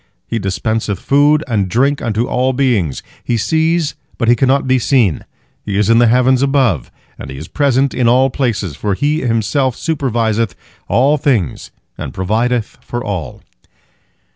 He dispenseth food and drink unto all beings. He sees, but He cannot be seen, He is in the heavens above, and He is present in all places, for He Himself superviseth all things and provideth for all."